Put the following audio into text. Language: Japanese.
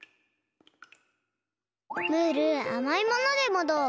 ムールあまいものでもどう？